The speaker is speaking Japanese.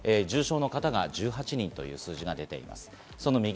重症の方が１８人という数字が出ています。